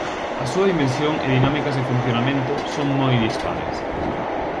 A súa dimensión e dinámicas de funcionamento son moi dispares.